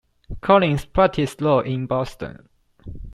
Collins practiced law in Boston.